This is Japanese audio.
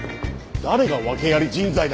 誰が訳あり人材だ。